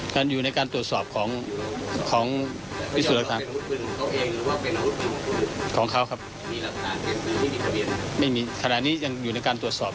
ไม่มีในการความไปว่า